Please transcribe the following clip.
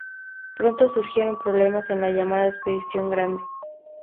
Pronto surgieron problemas en la llamada ""Expedición Grande"".